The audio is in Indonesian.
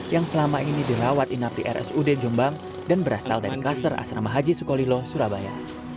yang selama ini dirawat inap di rsud jombang dan berasal dari klaster asrama haji sukolilo surabaya